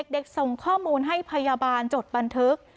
ส่งข้อมูลให้พยาบาลจดบันทึก